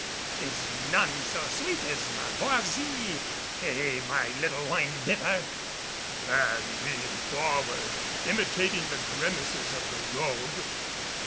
'Tis none so sweet as malvoisie, eh, my little wine bibber?" then, leaning forward, imitating the grimaces of the rogue.